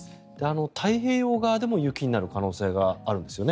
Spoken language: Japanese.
太平洋側でも雪になる可能性があるんですよね？